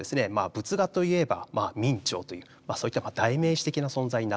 「仏画といえば明兆」というそういった代名詞的な存在になっておりまして。